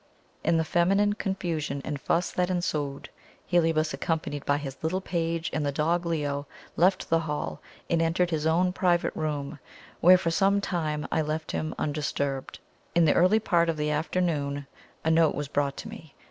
In the feminine confusion and fuss that ensued, Heliobas, accompanied by his little page and the dog Leo, left the hall and entered his own private room, where for some time I left him undisturbed. In the early part of the afternoon a note was brought to me.